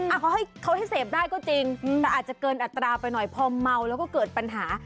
ให้เขาให้เสพได้ก็จริงแต่อาจจะเกินอัตราไปหน่อยพอเมาแล้วก็เกิดปัญหา